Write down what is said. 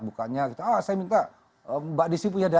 bukannya saya minta mbak dc punya data